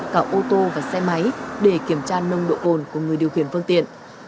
cả ô tô và xe máy để kiểm tra nồng độ cồn của người điều khiển phương tiện